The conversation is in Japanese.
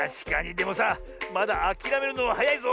でもさまだあきらめるのははやいぞ！